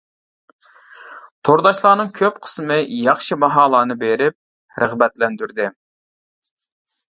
تورداشلارنىڭ كۆپ قىسمى ياخشى باھالارنى بېرىپ رىغبەتلەندۈردى.